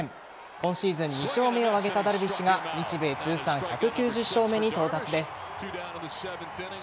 今シーズン２勝目を挙げたダルビッシュが日米通算１９０勝目に到達です。